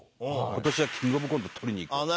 「今年はキングオブコント取りにいこう」とか。